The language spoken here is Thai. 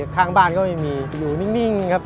ข้างบ้านก็ไม่มีอยู่นิ่งครับ